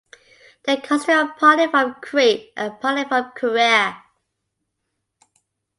Their customs are partly from Crete and partly from Caria.